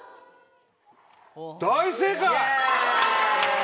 大正解！